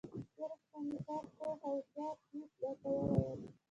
تېره شپه مې کار پوه او هوښیار پیر راته وویل.